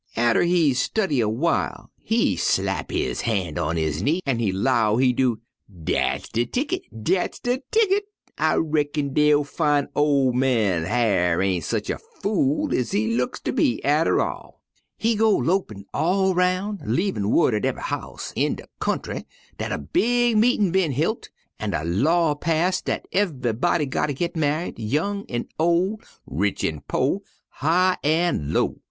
"Atter he study a w'ile he slap one han' on his knee, an' he 'low, he do: 'Dat's de ticket! dat's de ticket! I reckon dey'll fin' ol' man Hyar' ain' sech a fool ez he looks ter be, atter all.' "He go lopin' all roun', leavin' wu'd at ev'y house in de kyountry dat a big meetin' bin hilt an' a law passed dat ev'yb'dy gotter git ma'ied, young an' ol', rich an' po', high an' low.